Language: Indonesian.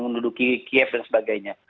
menuduki kiev dan sebagainya